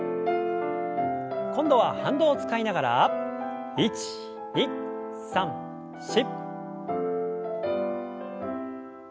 今度は反動を使いながら１２３４！